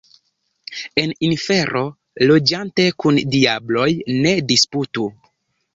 En infero loĝante, kun diabloj ne disputu.